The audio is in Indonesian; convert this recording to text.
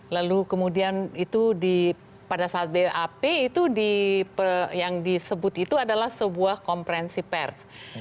lalu kemudian itu pada saat bap itu yang disebut itu adalah sebuah komprensi pers